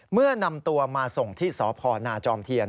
เมื่อนำตัวมาส่งที่สพนาจอมเทียน